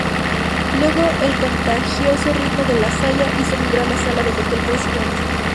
Luego el contagioso ritmo de la saya hizo vibrar la sala del hotel presidente.